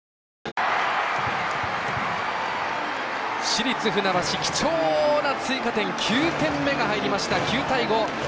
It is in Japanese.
市立船橋、貴重な追加点９点目が入りました。